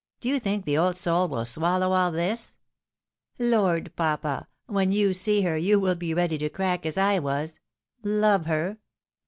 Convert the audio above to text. Do you think the old soulvrill swallow all this ? Lord, papa ! when you see her you wiU be ready to crack, as I was — Love her